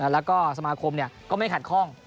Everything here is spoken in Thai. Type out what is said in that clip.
แล้วก็สมาคมก็ไม่ขัดข้อง